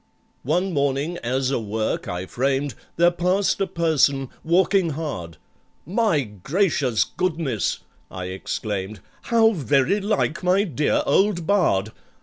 One morning as a work I framed, There passed a person, walking hard: "My gracious goodness," I exclaimed, "How very like my dear old bard!